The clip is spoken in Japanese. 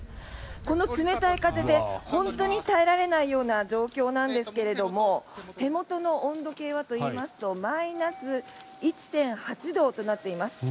この冷たい風で本当に耐えられないような状況なんですが手元の温度計はといいますとマイナス１．８度となっています。